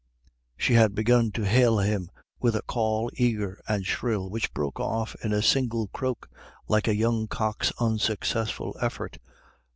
She had begun to hail him with a call eager and shrill, which broke off in a strangled croak, like a young cock's unsuccessful effort.